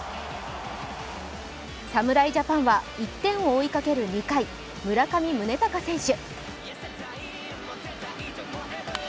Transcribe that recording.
侍ジャパンは１点を追いかける２回、村上宗隆選手。